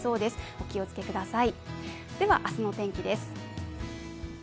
お気をつけください。